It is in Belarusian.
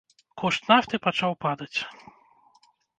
Кошт нафты пачаў падаць.